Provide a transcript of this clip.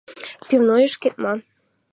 Пивнойыш кет ма?